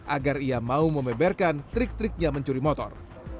agar ia mau mememberkan trik triknya mencuri motor